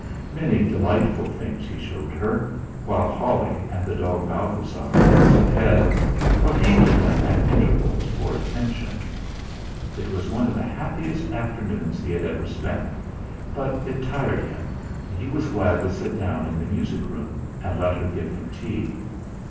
Many delightful things he showed her, while Holly and the dog Balthasar danced ahead, or came to them at intervals for attention. It was one of the happiest afternoons he had ever spent, but it tired him and he was glad to sit down in the music room and let her give him tea.